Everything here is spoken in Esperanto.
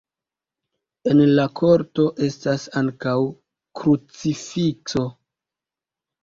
En la korto estas ankaŭ krucifikso.